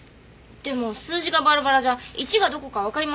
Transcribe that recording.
でも数字がバラバラじゃ１がどこかわかりません。